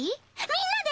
みんなで？